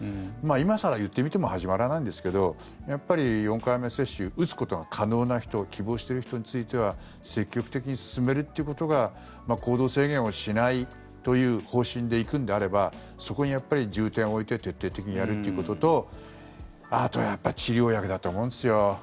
今更言ってみても始まらないんですけどやっぱり４回目接種打つことが可能な人希望している人については積極的に進めるということが行動制限をしないという方針で行くのであればそこに重点を置いて徹底的にやるということとあとはやっぱり治療薬だと思うんですよ。